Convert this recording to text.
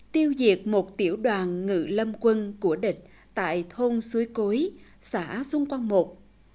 tiêu diệt một tiểu đoàn ngự lâm quân của địch tại thôn xúi cối xã xuân quang một